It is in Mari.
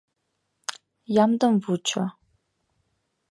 Ямдым вучо.